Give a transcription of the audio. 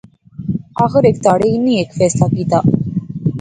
آخر ہیک تہاڑے انی ہیک فیصلہ کیتیا